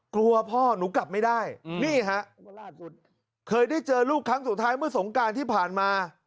กลัวพ่อหนูกลับไม่ได้นี่ฮะเคยได้เจอลูกครั้งสุดท้ายเมื่อสงการที่ผ่านมา